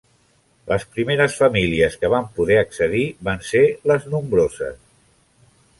Les primeres famílies que van poder accedir van ser, les nombroses.